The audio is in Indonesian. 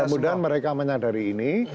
mudah mudahan mereka menyadari ini